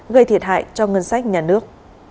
gây thiệt hại cho ngân sách nhà nước